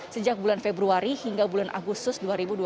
sejak bulan februari hingga bulan agustus dua ribu dua puluh